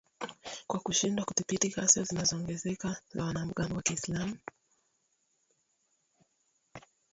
kwa kushindwa kudhibiti ghasia zinazoongezeka za wanamgambo wa kiislam